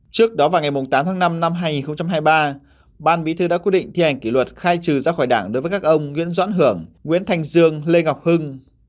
tòa án liên dân tỉnh lào cai đã quyết định thi hành kỷ luật khai trừ ra khỏi đảng đối với các ông nguyễn doãn hưởng nguyễn thanh dương lê ngọc hưng